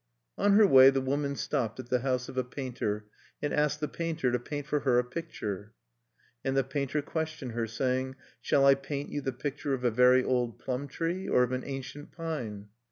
On her way the woman stopped at the house of a painter, and asked the painter to paint for her a picture. And the painter questioned her, sayings "Shall I paint you the picture of a very old plum tree, or of an ancient pine?"